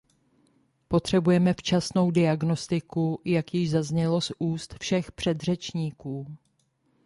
Potřebujeme včasnou diagnostiku, jak již zaznělo z úst všech předřečníků.